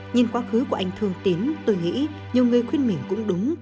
nhìn quá khứ của anh thương tín tôi nghĩ nhiều người khuyên mình cũng đúng